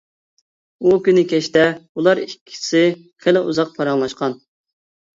ئۇ كۈنى كەچتە ئۇلار ئىككىسى خېلى ئۇزاق پاراڭلاشقان.